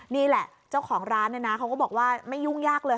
นี่แหละเจ้าของร้านเนี่ยนะเขาก็บอกว่าไม่ยุ่งยากเลย